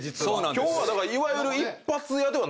今日はだからいわゆる。